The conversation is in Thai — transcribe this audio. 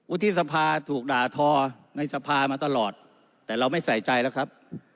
ที่สภาถูกด่าทอในสภามาตลอดแต่เราไม่ใส่ใจแล้วครับ